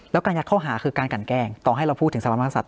แล้วการยัดเข้าหาคือการกันแกล้งต่อให้เราพูดถึงสรรพสัตว์